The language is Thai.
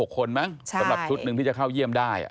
คนมั้งสำหรับชุดหนึ่งที่จะเข้าเยี่ยมได้